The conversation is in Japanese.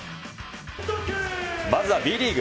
まずはＢリーグ。